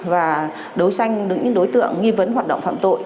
và đối tranh đối với những đối tượng nghi vấn hoạt động phạm tội